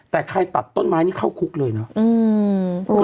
แต่ใครตัดต้นไม้นี่เข้าคุกเลยเนอะ